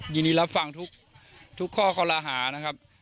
ยินดีรับฟังทุกข้อคอรหานะครับ